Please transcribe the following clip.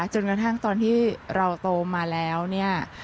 จนกระทั่งตอนที่เราโตมาแล้วเนี่ย